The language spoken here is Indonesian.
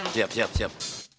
siap siap siap